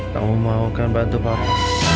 kamu mau kan bantu papa